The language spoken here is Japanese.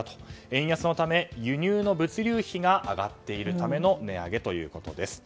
円安のため、輸入の物流費が上がっているための値上げということです。